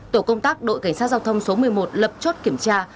tổ công tác đội cảnh sát giao thông số một mươi một lập chốt kiểm tra